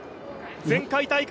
前回大会